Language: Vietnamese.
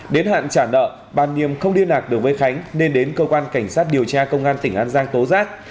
đến hạn trả nợ bà niềm không điên nạc được với khánh nên đến cơ quan cảnh sát điều tra công an tỉnh an giang tố rác